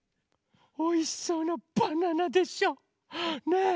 おいしそうなバナナでしょ？ねえ。